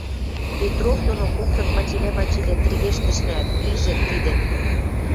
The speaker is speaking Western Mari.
Петров доно коктын пачелӓ-пачелӓ тӹргештӹшнӓӓт ижӹ, тидӹ: